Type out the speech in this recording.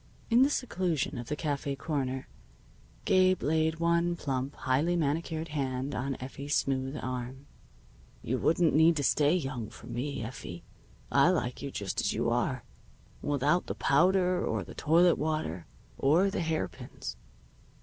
In the seclusion of the cafe corner, Gabe laid one plump, highly manicured hand on Effie's smooth arm. "You wouldn't need to stay young for me, Effie. I like you just as you are, with out the powder, or the toilette water, or the hair pins."